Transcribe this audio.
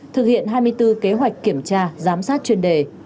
thực hiện hai mươi bốn kế hoạch kiểm tra giám sát chuyên đề